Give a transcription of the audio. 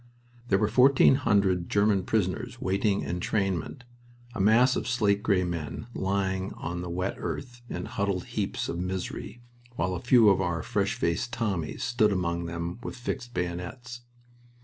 There were fourteen hundred German prisoners awaiting entrainment, a mass of slate gray men lying on the wet earth in huddled heaps of misery, while a few of our fresh faced Tommies stood among them with fixed bayonets.